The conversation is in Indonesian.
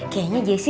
kayaknya jessy udah